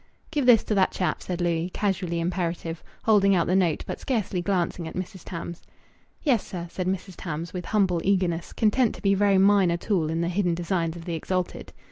"Give this to that chap," said Louis, casually imperative, holding out the note but scarcely glancing at Mrs. Tams. "Yes, sir," said Mrs. Tarns with humble eagerness, content to be a very minor tool in the hidden designs of the exalted.